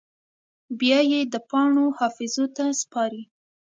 بیا یې د پاڼو حافظو ته سپاري